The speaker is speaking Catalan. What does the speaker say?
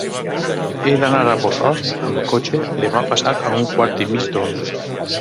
He d'anar a Bossòst amb cotxe demà passat a un quart i mig d'onze.